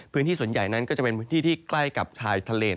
พื้นที่ส่วนใหญ่นั้นก็จะเป็นพื้นที่ที่ใกล้กับชายทะเล